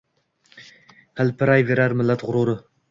Hilpirayver millat g‘ururi